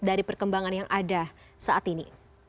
dari perkembangan yang ada saat ini